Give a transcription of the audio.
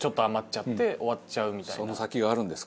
その先があるんですか？